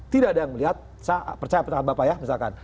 tidak ada yang melihat saya percaya bapak ya misalkan